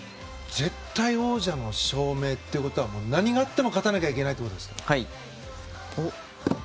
絶対王者の証明ってことは何があっても勝たなきゃいけないですね。